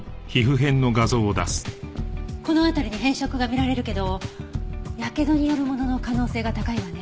この辺りに変色が見られるけど火傷によるものの可能性が高いわね。